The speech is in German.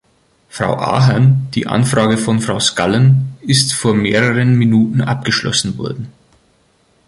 Frau Ahern, die Anfrage von Frau Scallon ist vor mehreren Minuten abgeschlossen worden.